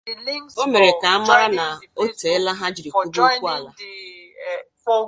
O mere ka a mara na o teela ha jiri kwube okwu ala